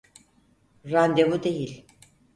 Randevu değil.